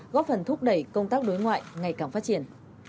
góp phần thúc đẩy công tác đối ngoại ngày càng phát triển